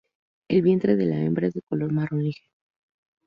El vientre de la hembra es de color marrón ligero.